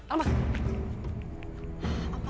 alma tunggu sebentar alma